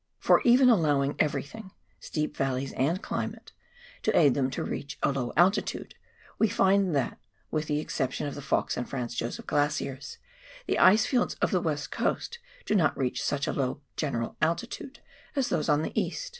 For even allowing everything — steep valleys, and climate — to aid them to reach a low aliitiide, we find that, with the exception of the Fox and Franz Josef Glaciers, the ice fields of tJie West Coast do not reach such a low general altitude as those on the East.